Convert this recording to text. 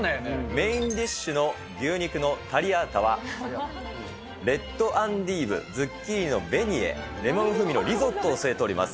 メインディッシュの牛肉のタリアータは、レッドアンディーブ、ズッキーニのベニエ、レモン風味のリゾットを添えております。